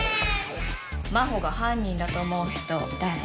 真帆が犯人だと思う人誰？